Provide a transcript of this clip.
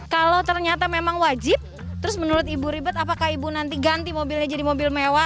kalau ternyata memang wajib terus menurut ibu ribet apakah ibu nanti ganti mobilnya jadi mobil mewah